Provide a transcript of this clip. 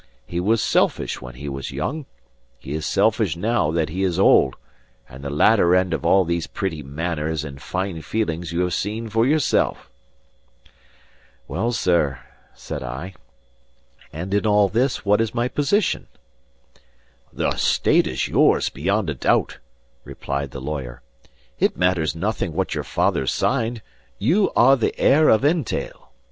He was selfish when he was young, he is selfish now that he is old; and the latter end of all these pretty manners and fine feelings you have seen for yourself." "Well, sir," said I, "and in all this, what is my position?" "The estate is yours beyond a doubt," replied the lawyer. "It matters nothing what your father signed, you are the heir of entail.